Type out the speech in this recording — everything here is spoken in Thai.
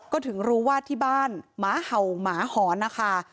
ก็ถึงรู้ว่าที่บ้านหมาเห่าหมาหอนนะคะ